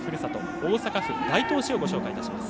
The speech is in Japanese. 大阪府大東市をご紹介いたします。